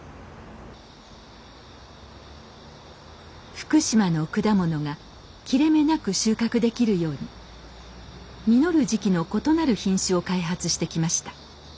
福島の果物が切れ目なく収穫できるように実る時期の異なる品種を開発してきました。